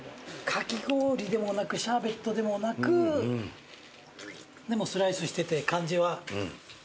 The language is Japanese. かき氷でもなくシャーベットでもなくでもスライスしてて感じはシャーベットなんだね。